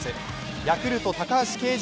ヤクルト・高橋奎二